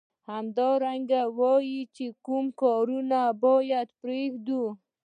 همدارنګه وايي کوم کارونه باید پریږدو.